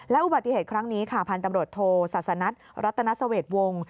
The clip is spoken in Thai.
และอุบัติเหตุครั้งนี้ผ่านตำรวจโทรศาสนัทรัฐนาสเวทวง